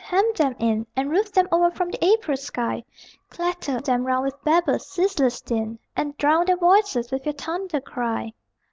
Hem them in And roof them over from the April sky Clatter them round with babble, ceaseless din, And drown their voices with your thunder cry.